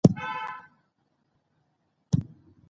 ځنګلونه د اقلیمي شرایطو په ښه والي کې مرسته کوي.